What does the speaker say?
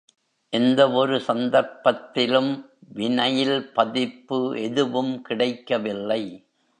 எந்தவொரு சந்தர்ப்பத்திலும் வினைல் பதிப்பு எதுவும் கிடைக்கவில்லை.